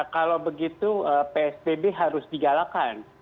kalau begitu psbb harus digalakan